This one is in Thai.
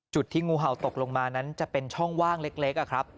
จุดที่งูเห่าตกลงมานั้นจะเป็นช่องว่างเล็ก